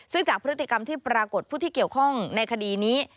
ซึ่งจากพฤติกรรมที่ปรากฏผู้ที่เกี่ยวข้องในคดีนี้